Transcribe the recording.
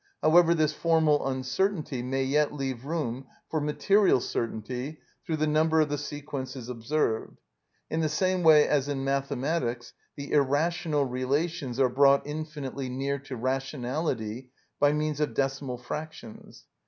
However, this formal uncertainty may yet leave room for material certainty through the number of the sequences observed; in the same way as in mathematics the irrational relations are brought infinitely near to rationality by means of decimal fractions.